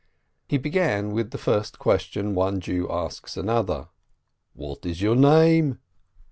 He began with the first question one Jew asks another: "What is your name?"